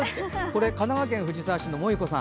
神奈川県藤沢市の、もゆこさん。